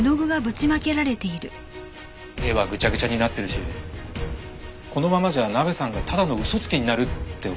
絵はぐちゃぐちゃになってるしこのままじゃナベさんがただの嘘つきになるって思って。